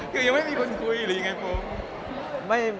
คือยังไม่มีคนคุยหรือยังไงผม